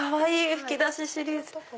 吹き出しシリーズ。